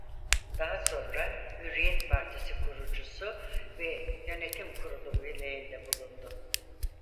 Daha sonra Hürriyet Partisi kurucusu ve Yönetim Kurulu üyeliğinde bulundu.